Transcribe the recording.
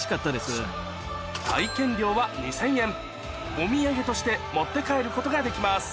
お土産として持って帰ることができます